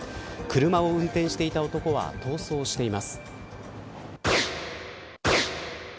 車を運転していた男は逃走しています。